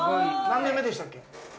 何年目でしたっけ。